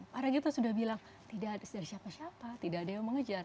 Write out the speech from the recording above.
para kita sudah bilang tidak ada dari siapa siapa tidak ada yang mengejar